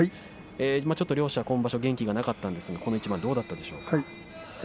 ちょっと両者、今場所、元気がなかったんですがこの一番どうだったでしょうか。